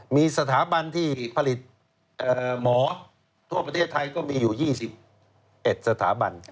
มีสถาบันที่ผลิตหมอทั่วประเทศไทยก็มีอยู่๒๑สถาบัน